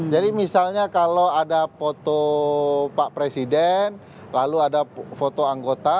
jadi misalnya kalau ada foto pak presiden lalu ada foto anggota